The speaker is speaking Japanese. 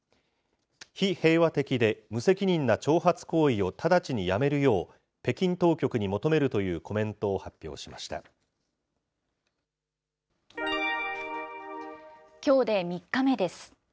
非平和的で無責任な挑発行為を直ちにやめるよう、北京当局に求めきょうで３日目です。